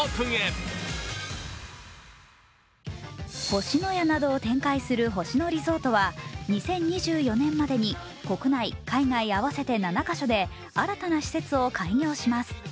星のやなどを展開する星野リゾートは、２０２４年までに国内・海外合わせて７か所で新たな施設を開業します。